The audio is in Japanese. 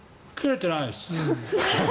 キレてないです。